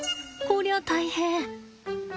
こりゃ大変！